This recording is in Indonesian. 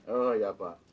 oh ya pak